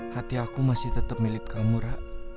hati aku masih tetep milik kamu ra